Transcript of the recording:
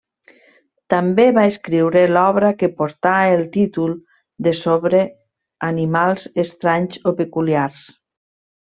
També va escriure l'obra que portà el títol de sobre animals estranys o peculiars.